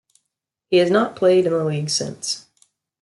He has not played in the league since.